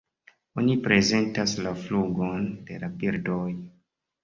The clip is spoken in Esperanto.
Oni prezentas la flugon de la birdoj.